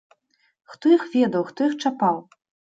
Хто іх ведаў, хто іх чапаў!